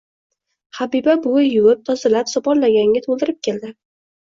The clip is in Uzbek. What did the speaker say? Habiba buvi yuvib, tozalab, sopol laganga to‘ldirib keldi.